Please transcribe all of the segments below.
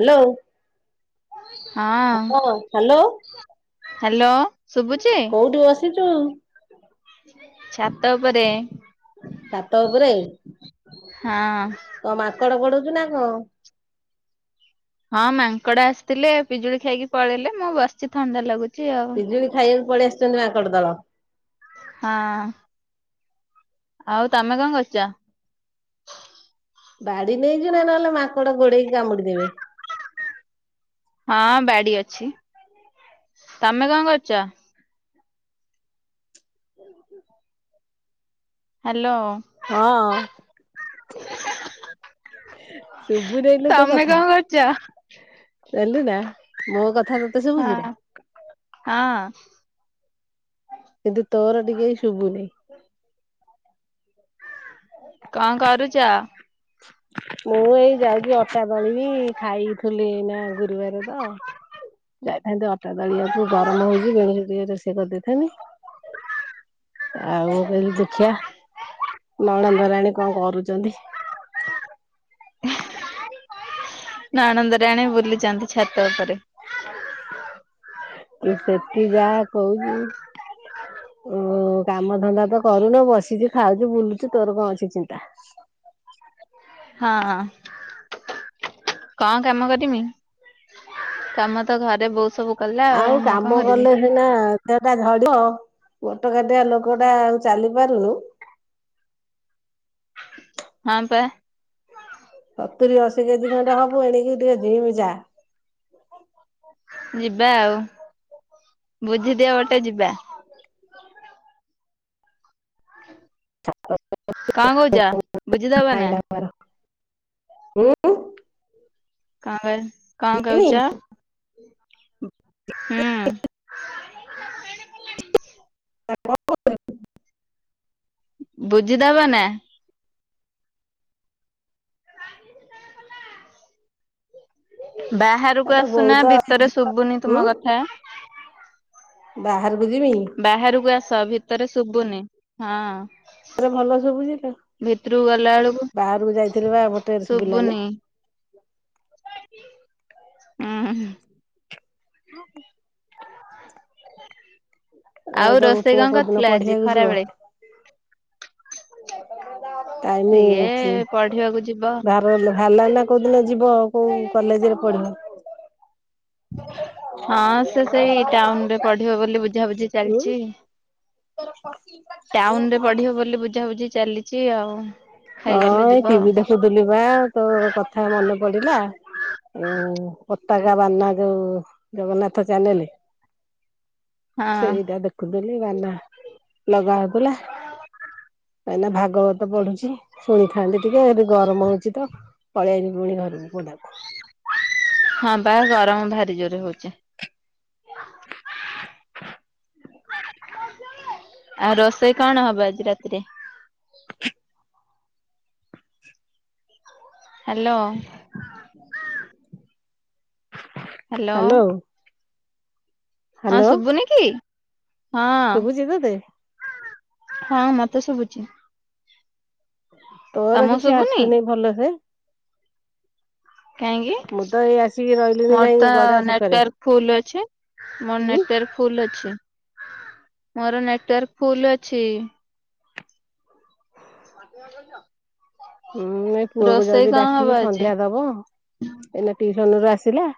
Hello. ହଁ hello hello ଶୁବୁଚି? କୋଉଠି ବସିଛୁ ଛାତ ଉପରେ। ଛାତ ଉପରେ ହଁ। ଙ୍କମାଙ୍କଡ଼ ଗୋଢଉଚୁନା କଁ। ହଁ ମାଙ୍କଡ଼ ଆସିଥିଲେ ପିଜୁଳି ଖାଇକି ପଳେଇଲେ ମୁବସଚି ଥଣ୍ଡା ଲାଗୁଚି ଆଉ। ପିଜୁଳି ଖାଇବାକୁ ପଳେଇ ଆସିୁଚନ୍ତି ମାଙ୍କଡ଼ ଦଳ। ହଁ। ଆଉ ତମେକଣ କରୁଚ? ବାଡ଼ି ନେଇଚୁନା ନହେଲେ ମାଙ୍କଡ଼ ଗୋଡ଼େଇକି କାମୁଡ଼ିଦେବେ? ହଁ ବାଡ଼ିଅଛି ତମେକଣ କରୁଚ? [inaudible] ହାଲୋ। ହଁ। ଶୁବୁନେଇଲୋ ତମେ ତୋକଥା। କଣ କରୁଛ? ଯାଣିଲୁନା ମୋକଥା ତତେ ହଁ ସୁବୁଚିନାଁ। ହଁ। କିନ୍ତୁ ତୋରଟିକେ ଏଇ ଶୁବୁନେଇଁ। କଣ କରୁଚ। ମୁଏଇ ଯାଉଚି ଅଟା ଦଳିବି ଖାଇଥୁଲି ଏଇନା ଗୁରୁବାରେତ। ଯାଇଥାନ୍ତି ଅଟା ଦଳିବାକୁ ଗରମ ହଉଚି ବେଣୁସୁ ଟିକେ ରୋଷେଇ କରିଦେଇଥାନ୍ତି। ଆଉ ମୁକଇଲି ଦେଖିଆ ନଣନ୍ଦରାଣୀ କଣ କରୁଚନ୍ତି। ନଣନ୍ଦରାଣୀ ବୁଲୁଚନ୍ତି ଛାତ ଉପରେ। ଇଏ ସେଠି ଯାହା କୋଉଚୁ ଉଁ କାମ ଧନ୍ଦାତ କରୁନ ବସିଚୁ ଖାଉଚୁ ବୁଲୁଚୁ ତୋର କଣଅଛି ଚିନ୍ତା। ହଁ। କଁ କାମ କରିମି କାମ ତ ଘରେ ବୋଉ ସବୁ କଲା ଆଉ ମୁଁ କଣ କାମ କରିବି। କଲେ ହେ ନାଁ ଦେହଟା ଝଡ଼ିବ ମୋଟ କାଟିଆ ଲୋକଟା ଆଉ ଚାଲିପାରୁନି। ହଁପା। ସତୁରି ଅଶୀ କେଜି ଖଣ୍ଡେ ହବୁ ଏଣିକି ଟିକେ ଜିମ ଯା। ଯିବା ଆଉ ବୁଝିଦିଅ ଗଟେ ଯିବା। କଣ କହୁଚ ବୁଝିଦବ ନା? [inaudible] ଉଁ। କଣ ଏଇ କଣ ଜିମି କଉଚ? ହୁଁ। [inaudible] ବୁଝିଦବ ନା। ବାହାରୁକୁ ତୋ ବୋଉ ଆସୁନା ତ ବହୁତ ଭିତରେ ଶୁଭୁନି ତୁମ କଥା। ବାହାରୁକୁ ଯିବି? ବାହାରକୁ ଆସ ଭିତରେ ଶୁଭୁନି ହଁ। ଏ ଭଲ ସବୁଚି ଲୋ ଭିତରକୁ ଗଲା ବେଳକୁ ବାହାରକୁ ଯାଇଥିଲିପା ମୋଟେ ଶୁବିଲାନେଇ। ଉଁ ହୁଁ। ଆଉ ତମ ରୋଷେଇ ପୁଅ କଣ କୋଉଦିନ କରିଥିଲ ଆଜି ପଢିବାକୁ ଯିବ ଖରାବେଳେ? ଡାଲି ସିଏ ହେଇଚି ପଢିବାକୁ ଯିବ ବାପ୍ ହେଲା ନା କୋଉ ଦିନ ଯିବ ଆଉ କୋଉ କଲେଜରେ ପଢିବ? ହଁ ସେ ସେଇ ଟାଉନରେ ପଢିବ ବୋଲି ବୁଝାବୁଝି ଉଁ। ଚାଲିଛି। ଟାଉନରେ ପଢିବ ବୋଲି ବୁଝାବୁଝି ଚାଲିଛି ଆଉ ହଁ ହେଇଗଲେ ଏଇ ଯିବ ଟିଭିି ଆଉ ଦେଖୁଥିଲି ବା ତୋ କଥା ମନ ପଡିଲା। ଆ ପତାକା ବାନା ଯୋଉ ଜଗନ୍ନାଥ ଚ୍ୟାନେଲ। ହଁ ସେଇଟା ଦେ ପୁରୀ ବାନା ଲଗା ହଉଥିଲା ଏଇନା ଭାଗବତ ପଢୁଛି। ଶୁଣିଥାନ୍ତି ଟିକେ ଏଠି ଗରମ ହଉଛି ତ ପଳେଇଆଇଲି ପୁଣି ଘରକୁ [inaudible] ହଁ ବା ଗରମ ଭାରି ଜୋରେ ହଉଚି। ଆଉ ରୋଷେଇ କଣ ହବ ଆଜି ରାତିରେ? ହ୍ୟାଲୋ। ହ୍ୟାଲୋ। ହାଲୋ ହଁ ହାଲୋ ଶୁଭୁନି କି ହଁ। ଶୁଭୁଛି ତତେ ହଁ ମତେ ଶୁଭୁଛି। ତୋର ତମକୁ କିଛି ଶୁଭୁନି? ଆସୁନି ଭଲସେ। ମୁଁ କାହିଁକି ତ ଏଇ ଆସିକି ରହିଲିଣି ଯାଇ ମୋର ତ ଗଡା ସେକରେ ନେଟୱାର୍କ ଫୁଲ ଅଛି। ମୋର ଉଁ ନେଟୱାର୍କ୍ ଫୁଲ ଅଛି ମୋର ନେଟୱାର୍କ ଫୁଲ ଅଛି। [inaudible] ହୁଁ ଏ ପୁଅ କୁ ରୋଷେଇ ଯାଉଛି କଣ ହବ ଡାକିବି ଆଜି? ସନ୍ଧ୍ୟା ଦବ ଏଇନା ଟିସନରୁ ଆସିଲା।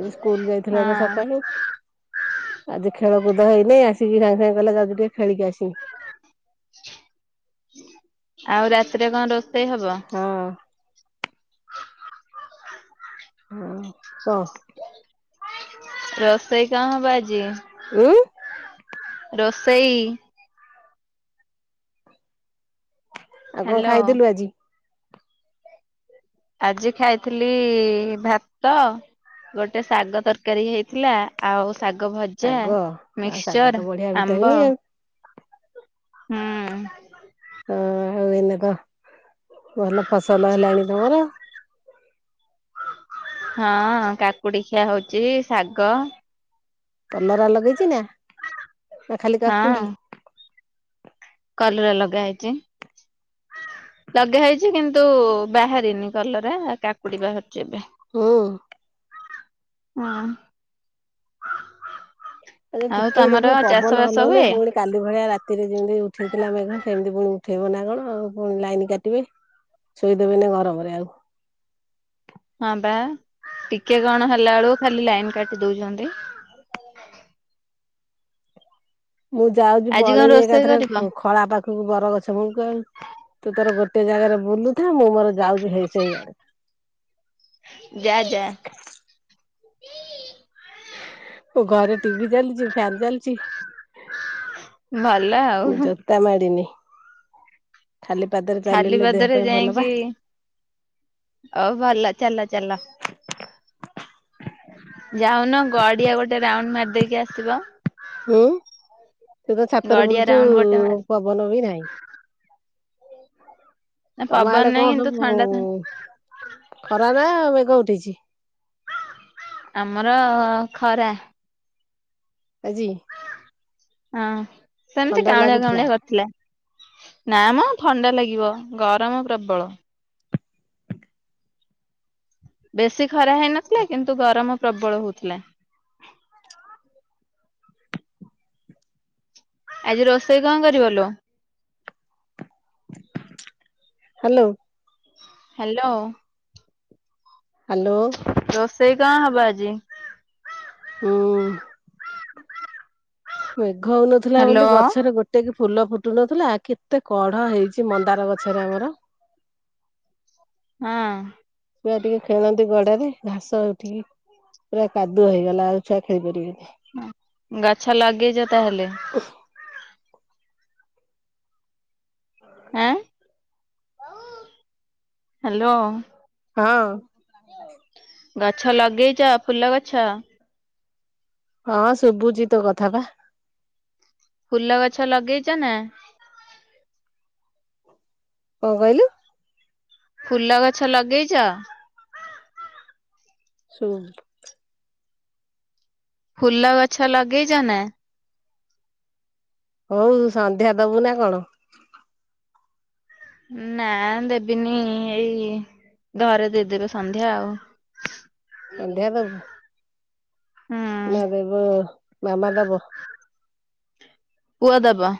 ଆଜି ସ୍କୁଲ ଯାଇଥିଲା ତ ହଁ ସକାଳୁ। ଆଜି ଖେଳକୁଦ ହେଇନି ଆସିକି ସାଙ୍ଗେ ସାଙ୍ଗେ କହିଲା ଯାଉଛି ଟିକେ ଖେିଳିକି ଆସିବି। ଆଉ ରାତିରେ କଣ ରୋଷେଇ ହବ? ହଁ। ହଁ କହ? ରୋଷେଇ କଣ ହବ ଆଜି? ଉଁ। ରୋଷେଇ ଆଉ କଣ ହ୍ୟାଲୋ ଖାଇଥିଲୁ ଆଜି? ଆଜି ଖାଇଥିଲି ଭାତ ଗୋଟେ ଶାଗ ତରକାରୀ ହେଇଥିଲା। ଆଉ ଶାଗ ଭଜା ଶାଗ ଆଉ ଶାଗ ତ ମିକ୍ସଚର୍ ବଢିଆ ଭିଟାମିନ ଆମ୍ବ। ଆଉ। ହୁଁ। ହଉ ଏନ ତ ଭଲ ଫସଲ ହେଲାଣି ତମର ହଁ କାକୁଡି ଖିଆ ହଉଛି ଶାଗ କଲରା ଲଗେଇଚ ନା ନା ଖାଲି ହଁ କାକୁଡି? କଲରା ଲଗାହେଇଛି। ଲଗେଇ ହେଇଛି କିନ୍ତୁ ବାହାରିନି କଲରା କାକୁଡି ବାହାରୁଛି ଏବେ। ହୁଁ ହୁଁ। ହଁ। ଆରେ ଆଉ ଟିକେ ଦେଖୁନ ତମର ପବନ ଚାଷ ବାସ ହଲଉନି ହୁଏ? ପୁଣି କାଲି ଭଳିଆ ରାତିରେ ଯେମିତି ଉଠେଇଥିଲା ମେଘ ସେମିତି ପୁଣି ଉଠେଇବ ନା କଣଉ ପୁଣି ଲାଇନ କାଟିବେ। ଶୋଇଦେବେନି ଗରମରେ ଆଉ। ହଁ ବା ଟିକେ କଣ ହେଲା ବେଳକୁ ଖାଲି ଲାଇନ କାଟି ଦଉଛନ୍ତି। ମୁଁ ଯାଉଛି ଆଜି କଣ ପଳେଇବି ରୋଷେଇ କରିବ? ଏକାଥରେ ଖଳା ପାଖକୁ ବରଗଛ ମୁଁ ତୁ ତୋର ଗୋଟେ ଜାଗାରେ ବୁଲୁ। ମୁଁ ମୋର ଯାଉଛି ହେଇ ସେଇଆ ଯା ଯା ଘରେ ଟିଭି ଚାଲିଛି ଫ୍ୟାନ ଚାଲିଛି। ଭଲ ଆଉ। ତା ମାଡ଼ନି ଖାଲି ପାଦରେ ଖାଲି ଚାଲିଲେ ଦେହ ପାଦରେ ପାଇଁ ଭଲ ବା। ଅଉ ଭଲ ଚାଲ ଚାଲ। ଯାଉନ ଗଡିଆ ଗୋଟେ ରାଉଣ୍ଡ ମାରିଦେଇକି ଆସିବ। ହୁଁ ସେ ତ ଛାତରେ ଗଡିଆ ବୁଲୁଛୁ। ରାଉଣ୍ଡ ଗୋଟେ ମାରି ପବନ ବି ନାହିଁ। ନା ତମ ପବନ ଆଡେ ନାହିଁ କଣ କିନ୍ତୁ ସବୁ ଥଣ୍ଡା ଥଣ୍ଡା ଖରା ନା ମେଘ ଉଠେଇଛି? ଆମର ଖରା। ଆଜି। ହଁ ସେମିତି ଥଣ୍ଡା କାଉଁଳିଆ ଲାଗୁଥିଲା କାଉଁଳିଆ ନା ମ ଥଣ୍ଡା ଲାଗିବ ଗରମ ପ୍ରବଳ। ବେଶୀ ଖରା ହେଇନଥିଲେ କିନ୍ତୁ ଗରମ ପ୍ରବଳ ହଉଥିଲା। ଆଜି ରୋଷେଇ କଣ କରିବଲୁ? ହ୍ୟାଲୋ। ହ୍ୟାଲୋ। ହ୍ୟାଲୋ। ରୋଷେଇ କଣ ହବ ଆଜି? ହୁଁ। ମେଘ ହଉନଥିଲା ବୋଲି ହ୍ୟାଲୋ ଗଛରେ ଗୋଟେ ଟକି ଫୁଲ ଫୁଟୁ ନଥିଲା କେତେ କଢ ହେଇଛି ମନ୍ଦାର ଗଛରେ ଆମର। ହଁ। ୁଆ ଟିକେ ଖେଳନ୍ତି ଗଡାରେ ଘାସ ହଉ ଟିକେ ପୁରା କାଦୁଅ ହେଇଗଲା ଆଉ ଛୁଆ ଖେଳି ପାରିବିନି। ଗଛ ଲାଗେଇଛ ତାହେଲେ। ହ [unintelligible] ହଁ ହ୍ୟାଲୋ। ହଁ। ଗଛ ଲଗେଇଛ ଫୁଲ ଗଛ। ହଁ ଶୁଭୁଛି ତ କଥା ବା। ଫୁଲ ଗଛ ଲଗେଇଛ ନା କଁ କହିଲୁ? ଫୁଲ ଗଛ ଲଗେଇଚ। ଶୁ। ଫୁଲ ଗଛ ଲଗେଇଛ ନା। ହଉ ସନ୍ଧ୍ୟା ଦବୁ ନା କଣ। ନା ଦେବିନି ଏଇ ଘରେ ଦେଇ ଦେବେ ସନ୍ଧ୍ୟା ଆଉ। ସନ୍ଧ୍ୟା ଦବୁ। ହୁଁ ନା ଦେବ ନାନା ଦବ। ପୁଅ ଦବ।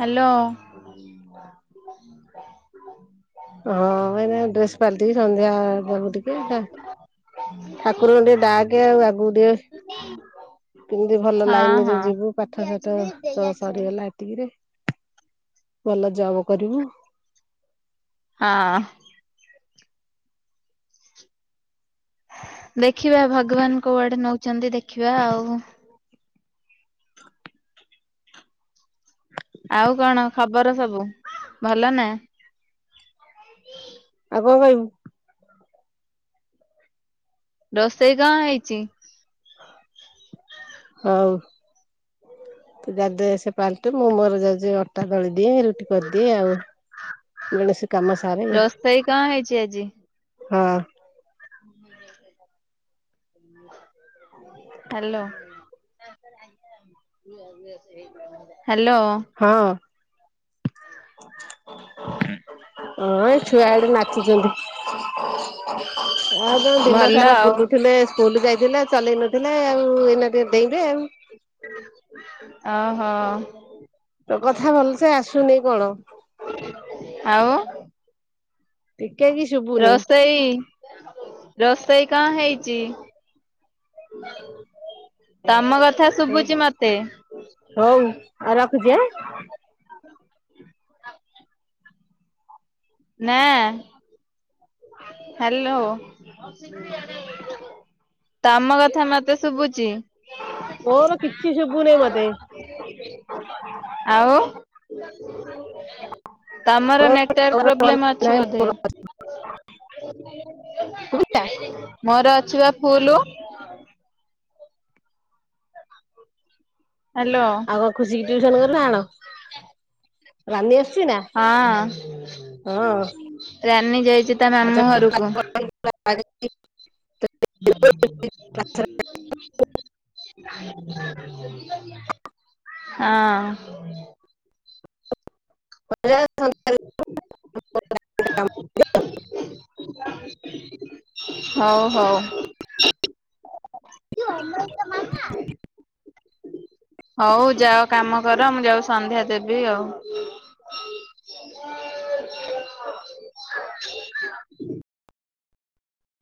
ହାଲୋ ହଁ ଏଇନା ଡ୍ରେସ ପାଲଟି କି ସନ୍ଧ୍ୟା ଦବୁ ଟିକେ ନା। ଠାକୁରଙ୍କୁ ଟିକେ ଡାକେ ଆଉ ଆଗକୁ ଟିକେ। କେମିତି ଭଲ ହଁ ଲାଇନ ରେ ହଁ ଯିବୁ ପାଠ ସାଠ ତ ସରିଗଲା। ଏତିକି ରେ ଭଲ ଜବ କରିବୁ। ହଁ। ଦେଖିବା ଭଗବାନ କୋଉଆଡେ ନଉଛନ୍ତି ଦେଖିବା ଆଉ। ଆଉ କଣ ଖବର ସବୁ ଭଲ ନା। ଆଉ କଁ କଇବୁ। ରୋଷେଇ କଁ ହେଇଚି। ହଉ। ତୁ ଯା ଡ୍ରେସ୍ ପାଲଟେ ମୁଁ ମୋର ଯାଉଛି ଅଟା ଦଳି ଦିଏ ରୁଟି। କରିଦିଏ ଆଉ ବେଳସୁ କାମ ସାରେ। ରୋଷେଇ କଣ ହେଇଚି ଆଜି? ହଁ। ହାଲୋ। ହାଲୋ। ହଁ। ହଁ ଏ ଛୁଆ ଏଠି ନାଚୁଛନ୍ତି। ଆଉ କଁ ଦିନ ଭଲ ସାରା ଆଉ ବୁଲୁଥିଲେ। ସ୍କୁଲ ଯାଇଥିଲେ ଆଉ ଚଲେଇ ନଥିଲେ ଆଉ ଏଇନା ଟିକେ ଡେଇଁବେ ଆଉ। ଅ ହ। ତୋ କଥା ଭଲ ସେ ଆସୁନେଇ କଣ। ଆଉ। ଟିକେ କି। ରୋଷେଇ ରୋଷେଇ କଁ ହେଇଛି। ତମ କଥା ଶୁଭୁଛିି ମତେ। ହଉ ଆଉ ରଖୁଛି ଆଁ। ନାଁ। ହାଲୋ ତମ କଥା। ମତେ ଶୁଭୁଚି ତୋର କିଛି ଶୁଭୁ ନେଇ ମତେ। ଆଉ। ତମର ନେଟୱାର୍କ ଆଉ ପ୍ରୋବ୍ଲେମ ଅଛି ବୋଧେ। ମୋର ଅଛି ବା ଫୁଲୁ। ହାଲୋ। ହଁ ଖୁସିି କି ଟ୍ୟୁସନ କଲୁ ନା କଣ ରାନି ଆସୁଛି ନା। ହଁ ରାନୀ ଯାଇଛି। [unintelligible] [unintelligible] ହଁ। [unintelligible] ହଉ ହଉ। ଅମର ମା ନା [inaudible] ହଉ ଯାଅ କାମ କର ମୁଁ ଯାଉ ସନ୍ଧ୍ୟା ଦେବି ଆଉ।